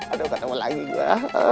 aduh ketawa lagi gue